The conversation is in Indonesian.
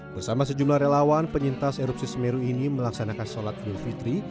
bersama sejumlah relawan penyintas erupsi semeru ini melaksanakan sholat idul fitri